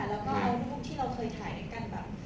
แล้วก็เอารูปที่เราเคยถ่ายด้วยกันแบบ